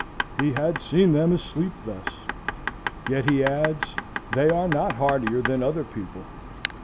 He had seen them asleep thus. Yet he adds, "They are not hardier than other people."